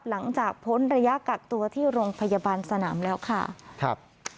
หลังจากพ้นระยะกักตัวที่โรงพยาบาลสนามแล้วค่ะครับ